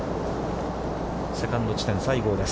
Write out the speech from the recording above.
セカンド地点、西郷です。